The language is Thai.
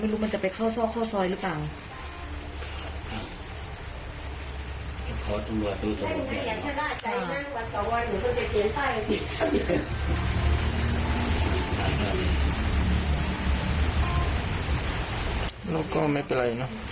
ครับขอตรวจดูตรงนั้นใช่ค่ะอย่างนั้นกว่าสองวันหรือว่าจะเขียนภาค